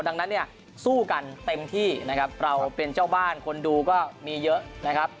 ดังนั้นเนี่ยสู้กันเต็มที่นะครับเราเป็นเจ้าบ้านคนดูก็มีเยอะนะครับ